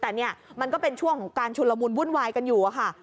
แต่เนี่ยมันก็เป็นช่วงของการชุนละมุนวุ่นวายกันอยู่อะค่ะ